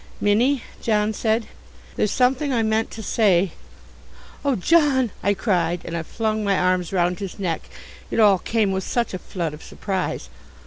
"Minnie," John said, "there's something I meant to say " "Oh, John," I cried, and I flung my arms round his neck. It all came with such a flood of surprise.